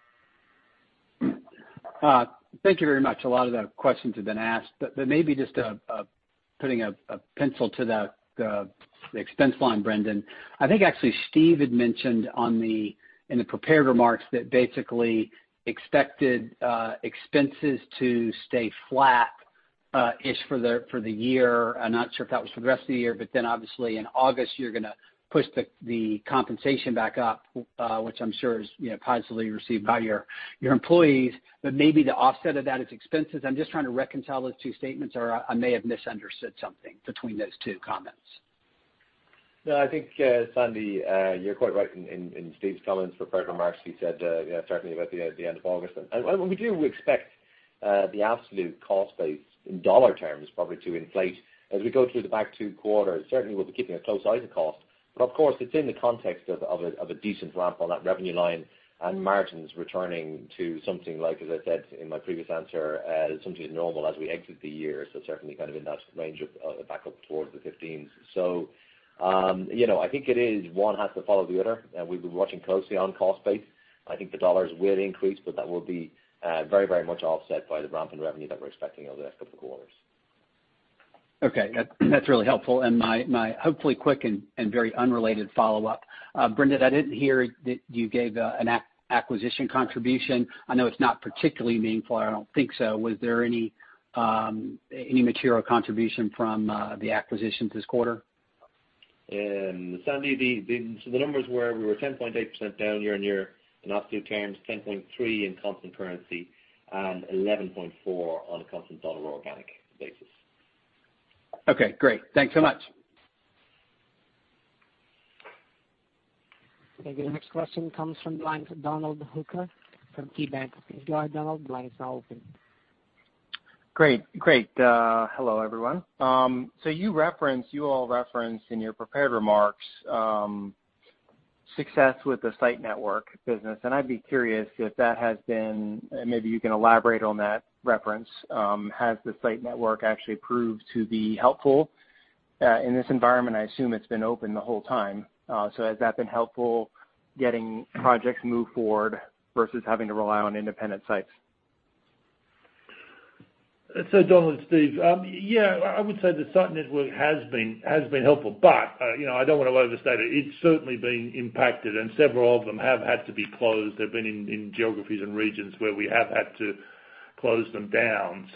Thank you very much. A lot of the questions have been asked, but maybe just putting a pencil to the expense line, Brendan. I think actually Steve had mentioned in the prepared remarks that basically expected expenses to stay flat-ish for the year. I'm not sure if that was for the rest of the year, but then obviously in August, you're going to push the compensation back up, which I'm sure is positively received by your employees. Maybe the offset of that is expenses. I'm just trying to reconcile those two statements, or I may have misunderstood something between those two comments.
No, I think, Sandy, you're quite right in Steve's comments, the prepared remarks, he said certainly about the end of August. We do expect the absolute cost base in dollar terms probably to inflate as we go through the back two quarters. Of course, it's in the context of a decent ramp on that revenue line and margins returning to something like, as I said in my previous answer, something as normal as we exit the year. Certainly in that range of back up towards the 15s. I think it is one has to follow the other, and we've been watching closely on cost base. I think the dollars will increase, but that will be very much offset by the ramp in revenue that we're expecting over the next couple of quarters.
Okay. That's really helpful. My hopefully quick and very unrelated follow-up. Brendan, I didn't hear that you gave an acquisition contribution. I know it's not particularly meaningful, or I don't think so. Was there any material contribution from the acquisitions this quarter?
Sandy, the numbers were we were 10.8% down year-on-year in absolute terms, 10.3% in constant currency, and 11.4% on a constant dollar organic basis.
Okay, great. Thanks so much.
Thank you. The next question comes from the line from Donald Hooker from KeyBanc. Please go ahead, Donald. The line is now open.
Great. Hello, everyone. You all referenced in your prepared remarks success with the site network business, and maybe you can elaborate on that reference. Has the site network actually proved to be helpful in this environment? I assume it's been open the whole time. Has that been helpful getting projects moved forward versus having to rely on independent sites?
Donald, Steve. Yeah, I would say the site network has been helpful, but I don't want to overstate it. It's certainly been impacted, and several of them have had to be closed. They've been in geographies and regions where we have had to close them down.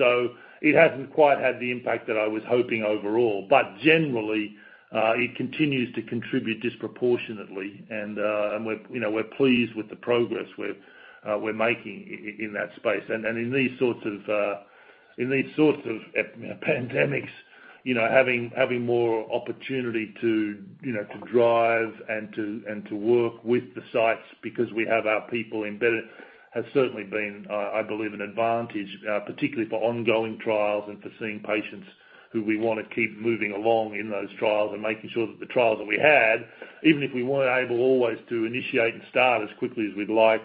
It hasn't quite had the impact that I was hoping overall. Generally, it continues to contribute disproportionately, and we're pleased with the progress we're making in that space. In these sorts of pandemics, having more opportunity to drive and to work with the sites because we have our people embedded has certainly been, I believe, an advantage, particularly for ongoing trials and for seeing patients who we want to keep moving along in those trials and making sure that the trials that we had, even if we weren't able always to initiate and start as quickly as we'd like,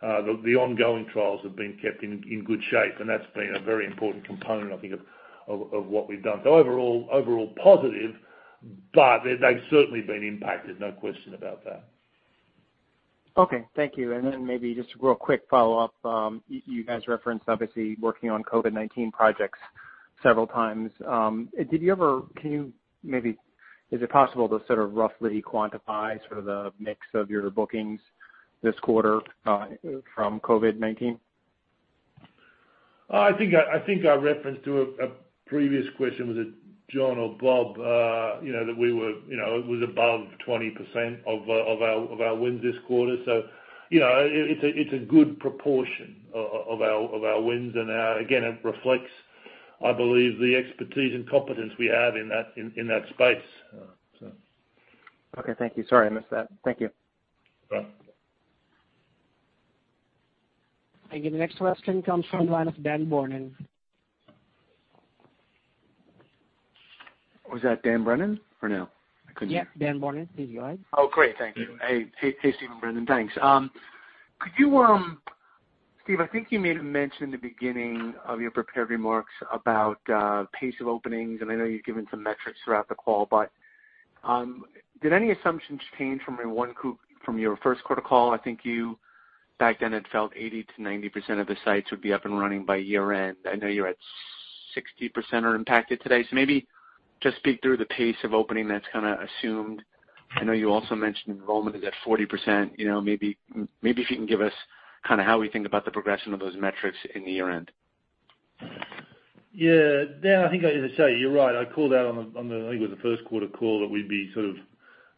the ongoing trials have been kept in good shape, and that's been a very important component, I think, of what we've done. Overall positive, but they've certainly been impacted, no question about that.
Okay. Thank you. Maybe just a real quick follow-up. You guys referenced, obviously, working on COVID-19 projects several times. Is it possible to roughly quantify the mix of your bookings this quarter from COVID-19?
I think I referenced to a previous question, was it John or Bob? That it was above 20% of our wins this quarter. It's a good proportion of our wins. Again, it reflects, I believe, the expertise and competence we have in that space.
Okay, thank you. Sorry, I missed that. Thank you.
No.
Again, the next question comes from the line of Dan Brennan.
Was that Dan Brennan or no? I couldn't hear.
Yeah, Dan Brennan. Please go ahead.
Great. Thank you. Hey, Steve and Brendan. Thanks. Steve, I think you made a mention at the beginning of your prepared remarks about pace of openings, and I know you've given some metrics throughout the call. Did any assumptions change from your first quarter call? I think you, back then, had felt 80%-90% of the sites would be up and running by year-end. I know you're at 60% are impacted today. Maybe just speak through the pace of opening that's assumed. I know you also mentioned enrollment is at 40%. Maybe if you can give us how we think about the progression of those metrics in the year-end.
Dan, I think as I say, you're right. I called out on the, I think it was the first quarter call that we'd be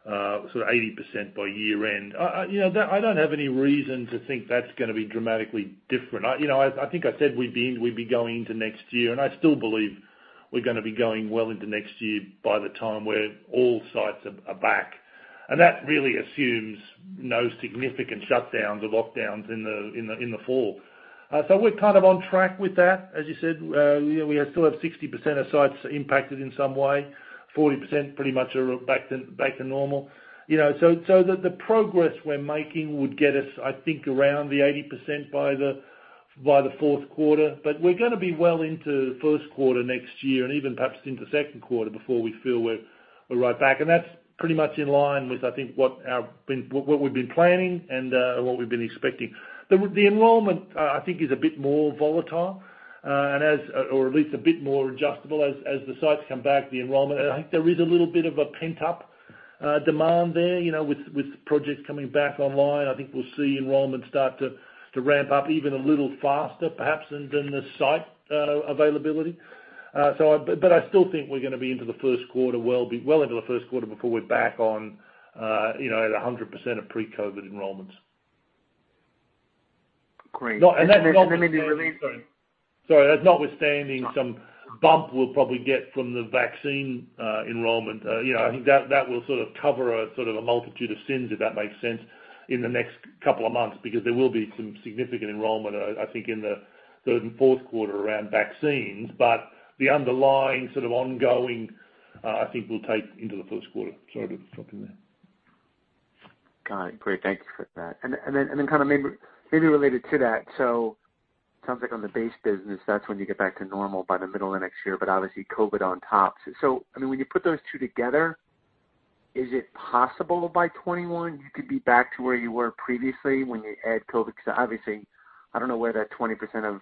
80% by year-end. I don't have any reason to think that's going to be dramatically different. I think I said we'd be going into next year, and I still believe we're going to be going well into next year by the time where all sites are back. That really assumes no significant shutdowns or lockdowns in the fall. We're on track with that. As you said, we still have 60% of sites impacted in some way. 40% pretty much are back to normal. The progress we're making would get us, I think, around the 80% by the fourth quarter. We're going to be well into first quarter next year and even perhaps into second quarter before we feel we're right back. That's pretty much in line with, I think, what we've been planning and what we've been expecting. The enrollment, I think, is a bit more volatile or at least a bit more adjustable as the sites come back, the enrollment. I think there is a little bit of a pent-up demand there. With projects coming back online, I think we'll see enrollment start to ramp up even a little faster perhaps than the site availability. I still think we're going to be well into the first quarter before we're back on at 100% of pre-COVID enrollments.
Great.
Sorry. That's notwithstanding some bump we'll probably get from the vaccine enrollment. I think that will cover a multitude of sins, if that makes sense, in the next couple of months, because there will be some significant enrollment, I think, in the third and fourth quarter around vaccines. The underlying ongoing, I think, will take into the first quarter. Sorry to have dropped in there.
Got it. Great. Thank you for that. Maybe related to that, sounds like on the base business, that's when you get back to normal by the middle of next year, but obviously COVID on top. When you put those two together, is it possible by 2021 you could be back to where you were previously when you add COVID? Obviously, I don't know where that 20% of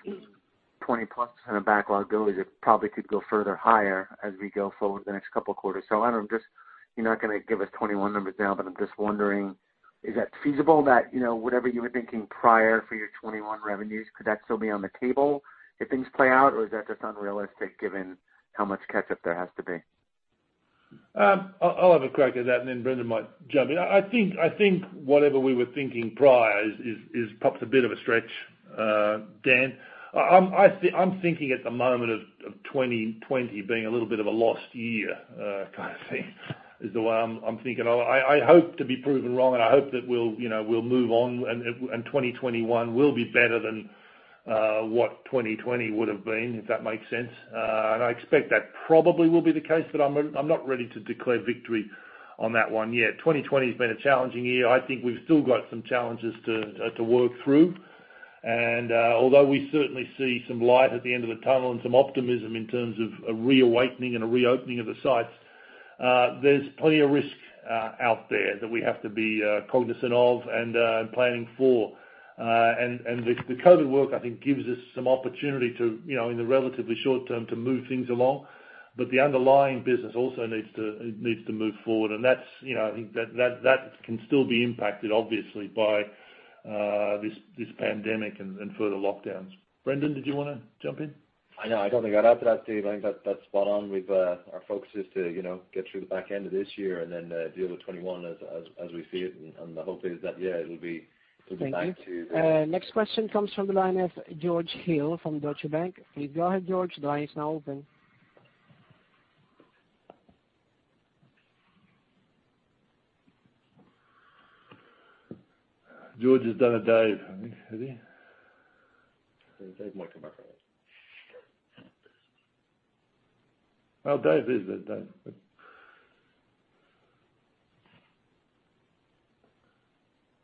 20+ percent of backlog goes. It probably could go further higher as we go forward the next couple of quarters. I don't know, you're not going to give us 2021 numbers now, but I'm just wondering, is that feasible that whatever you were thinking prior for your 2021 revenues, could that still be on the table if things play out, or is that just unrealistic given how much catch-up there has to be?
I'll have a crack at that, and then Brendan might jump in. I think whatever we were thinking prior is perhaps a bit of a stretch, Dan. I'm thinking at the moment of 2020 being a little bit of a lost year kind of thing, is the way I'm thinking. I hope to be proven wrong, and I hope that we'll move on and 2021 will be better than what 2020 would've been, if that makes sense. I expect that probably will be the case, but I'm not ready to declare victory on that one yet. 2020's been a challenging year. I think we've still got some challenges to work through. Although we certainly see some light at the end of the tunnel and some optimism in terms of a reawakening and a reopening of the sites, there's plenty of risk out there that we have to be cognizant of and planning for. The COVID work, I think, gives us some opportunity in the relatively short term to move things along. The underlying business also needs to move forward, and that can still be impacted, obviously, by this pandemic and further lockdowns. Brendan, did you want to jump in?
No, I don't think I'd add to that, Steve. I think that's spot on. Our focus is to get through the back end of this year and then deal with 2021 as we see it. The hope is that, yeah, it'll be back to.
Thank you. Next question comes from the line of George Hill from Deutsche Bank. Please go ahead, George. The line is now open.
George has done a dive, I think. Has he?
I think Dave might come back on.
Dave is there,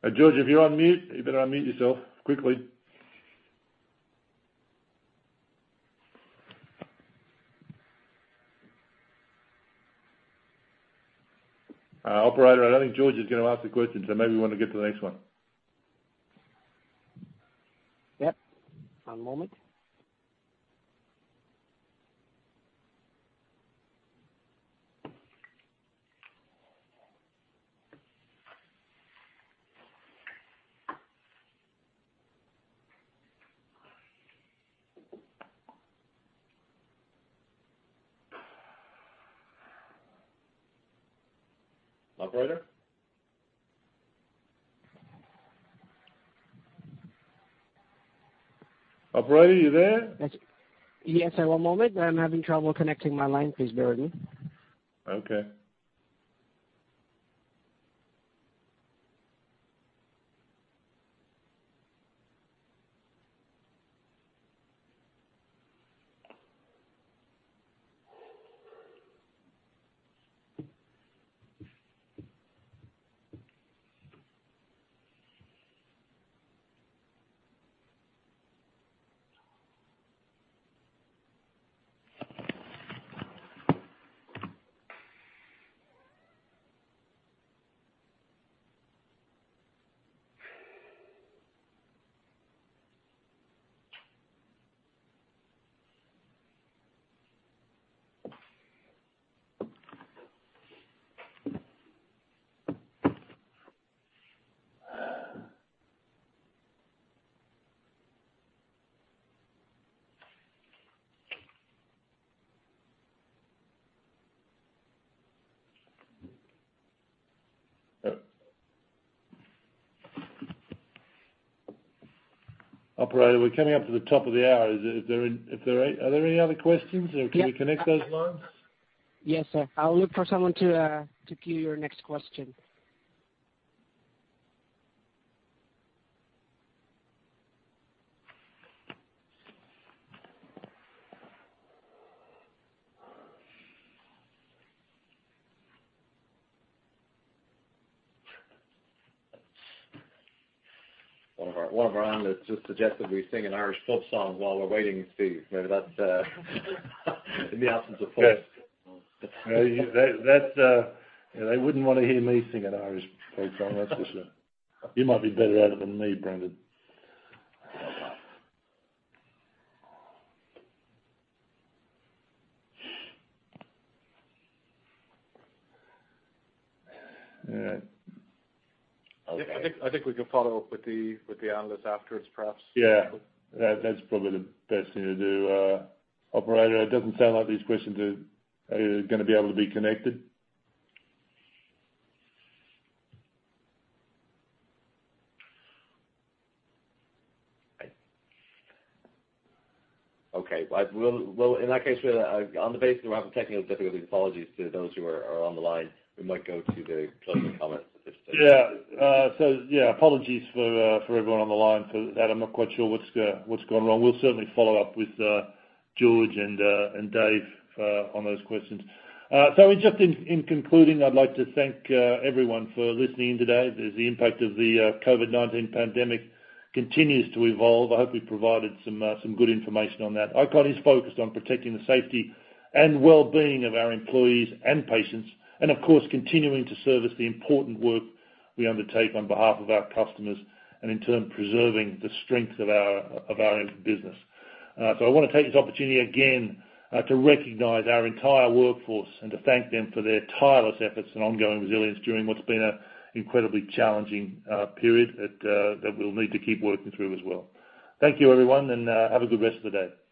Dan. George, if you're on mute, you better unmute yourself quickly. Operator, I don't think George is going to ask a question, so maybe we want to get to the next one.
Yep. One moment.
Operator? Operator, are you there?
Yes, one moment. I'm having trouble connecting my line. Please bear with me.
Okay. Operator, we're coming up to the top of the hour. Are there any other questions or can we connect those lines?
Yes, sir. I'll look for someone to queue your next question.
One of our analysts just suggested we sing an Irish folk song while we're waiting, Steve. Maybe that's in the absence of folks.
They wouldn't want to hear me sing an Irish folk song, that's for sure. You might be better at it than me, Brendan. All right. Okay.
I think we could follow up with the analyst afterwards, perhaps.
Yeah. That's probably the best thing to do. Operator, it doesn't sound like these questions are going to be able to be connected.
Okay. Well, in that case, on the basis we are having technical difficulties, apologies to those who are on the line. We might go to the closing comments at this stage.
Yeah. Yeah, apologies for everyone on the line for that. I'm not quite sure what's gone wrong. We'll certainly follow up with George and Dave on those questions. Just in concluding, I'd like to thank everyone for listening today. As the impact of the COVID-19 pandemic continues to evolve, I hope we've provided some good information on that. ICON is focused on protecting the safety and well-being of our employees and patients, and of course, continuing to service the important work we undertake on behalf of our customers and in turn, preserving the strength of our business. I want to take this opportunity again to recognize our entire workforce and to thank them for their tireless efforts and ongoing resilience during what's been an incredibly challenging period that we'll need to keep working through as well. Thank you, everyone, and have a good rest of the day.